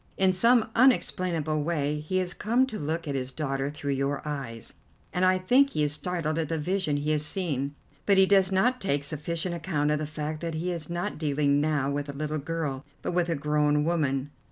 In some unexplainable way he has come to look at his daughter through your eyes, and I think he is startled at the vision he has seen. But he does not take sufficient account of the fact that he is not dealing now with a little girl, but with a grown woman.